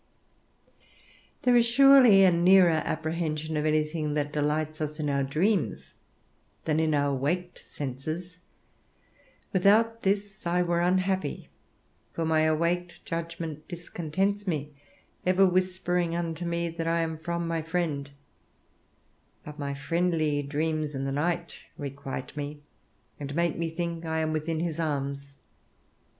There is surely a nearer apprehension of anything that delights us in our dreams than in our waked senses: without this, I were unhappy; for my awaked judgment discontents me, ever whispering unto me that I am from my friend; but my friendly dreams in the night requite me, and make me think I am within his arms.